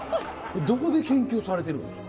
どこで研究されてるんですか？